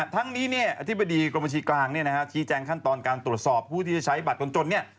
ทั้งนี้ทฤษฎีกรมบัญชีกลางชี้แจงขั้นตอนการตรวจสอบผู้ที่จะใช้บัตรคุณจน